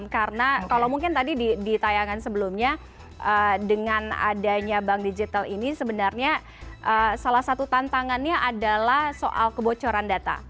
karena kalau mungkin tadi di tayangan sebelumnya dengan adanya bank digital ini sebenarnya salah satu tantangannya adalah soal kebocoran data